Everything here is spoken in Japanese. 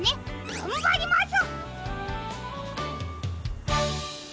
がんばります！